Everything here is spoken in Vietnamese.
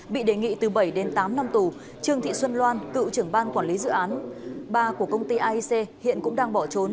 bị đề nghị từ bảy đến tám năm tù trương thị xuân loan cựu trưởng ban quản lý dự án ba của công ty aic hiện cũng đang bỏ trốn